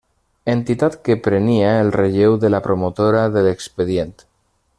Entitat que prenia el relleu de la promotora de l’expedient.